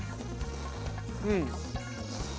うん。